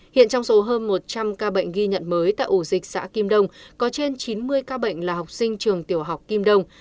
hiện trong số hơn một trăm linh ca bệnh ghi nhận mới tại ổ dịch xã kim đông có trên chín mươi ca bệnh là học sinh trường tiểu học kim đông